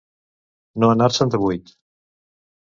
No anar-se'n de buit.